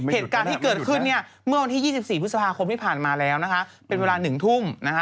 เหตุการณ์ที่เกิดขึ้นเนี่ยเมื่อวันที่๒๔พฤษภาคมที่ผ่านมาแล้วนะคะเป็นเวลา๑ทุ่มนะคะ